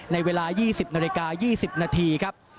ในเวลา๒๐นาฬิกา๒๐นาทีครับ